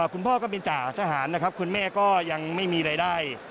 คุณพ่อก็เป็นจ่าทหารนะครับคุณแม่ก็ยังไม่มีรายได้